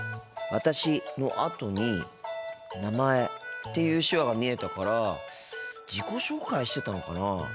「私」のあとに「名前」っていう手話が見えたから自己紹介してたのかなあ。